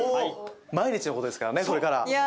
毎日のことですからねこれから。